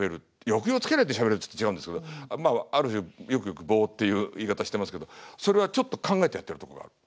抑揚をつけないでしゃべるってちょっと違うんですけどある種よくぼうっていう言い方してますけどそれはちょっと考えてやってるとこがある。